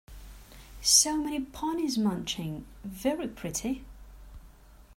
So many ponies munching; very pretty!